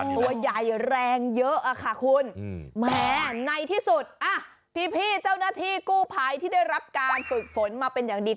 ตัวใหญ่แรงเยอะอะค่ะคุณแหมในที่สุดพี่เจ้าหน้าที่กู้ภัยที่ได้รับการฝึกฝนมาเป็นอย่างดี